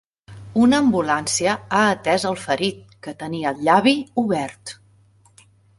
Una ambulància ha atès el ferit, que tenia el llavi obert.